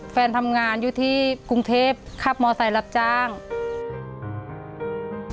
แฟนทำงานอยู่ที่กรุงเทพขับมอเซล์รับจ้าง